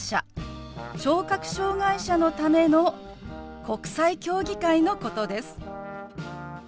・聴覚障害者のための国際競技会のことです。